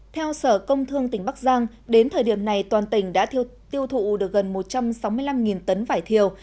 theo sở công thương tỉnh bắc giang đến thời điểm này toàn tỉnh đã tiêu thụ được gần một trăm sáu mươi năm tấn vải thiều